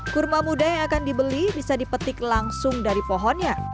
kurma muda yang akan dibeli bisa dipetik langsung dari pohonnya